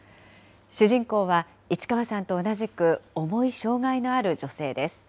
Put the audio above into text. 主人公は、市川さんと同じく重い障害のある女性です。